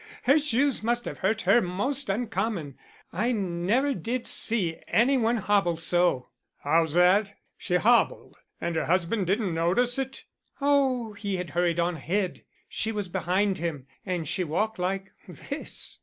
Her shoes must have hurt her most uncommon. I never did see any one hobble so." "How's that? She hobbled, and her husband didn't notice it?" "Oh, he had hurried on ahead. She was behind him, and she walked like this."